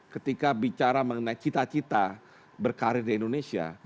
ketika bicara mengenai cita cita berkarir di indonesia